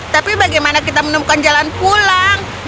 tapi bagaimana kita menemukan jalan pulang